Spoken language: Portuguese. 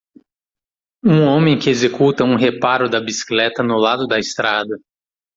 Um homem que executa um reparo da bicicleta no lado da estrada.